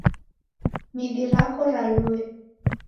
Mindi rako ralue.